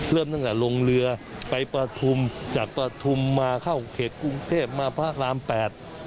เริ่มตั้งแต่ลงเรือไปประทุมจากปฐุมมาเข้าเขตกรุงเทพมาพระรามแปด